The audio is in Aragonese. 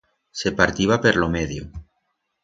Se partiba per lo medio.